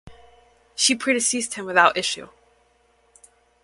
She predeceased him without issue.